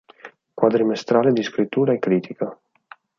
Quadrimestrale di scrittura e critica".